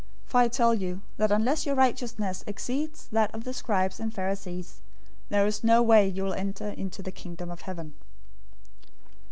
005:020 For I tell you that unless your righteousness exceeds that of the scribes and Pharisees, there is no way you will enter into the Kingdom of Heaven.